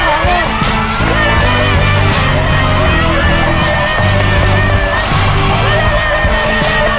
ตอนนี้ตอนนี้นะครับ